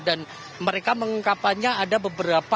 dan mereka mengungkapannya ada beberapa